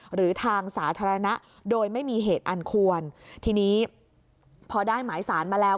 หรือทางสาธารณะโดยไม่มีเหตุอันควรทีนี้พอได้หมายสารมาแล้ว